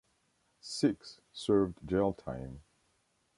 Six served jail time.